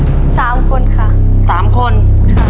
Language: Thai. สามคนค่ะ